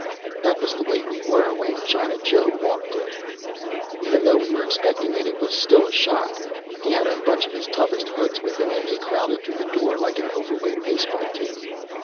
That was the way we were when China Joe walked in. Even though we were expecting it, it was still a shock. He had a bunch of his toughest hoods with him and they crowded through the door like an overweight baseball team.